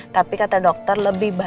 tapi kata dokter lebih baik